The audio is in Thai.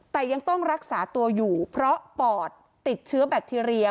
แต่ยังต้องรักษาตัวอยู่เพราะปอดติดเชื้อแบคทีเรีย